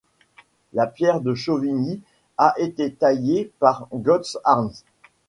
La pierre de Chauvigny a été taillée par Götz Arndt.